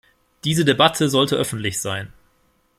Diese Debatte sollte öffentlich sein.